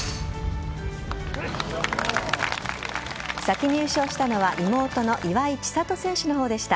先に優勝したのは妹の岩井千怜選手の方でした。